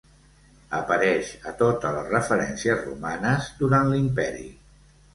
Apareix a totes les referències romanes durant l'Imperi.